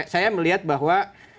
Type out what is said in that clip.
saya melihat bahwa